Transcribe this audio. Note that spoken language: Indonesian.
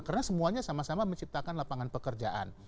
karena semuanya sama sama menciptakan lapangan pekerjaan